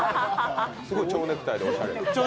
すごい蝶ネクタイでおしゃれな。